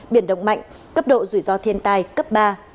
biển động mạnh cấp độ rủi ro thiên tai cấp ba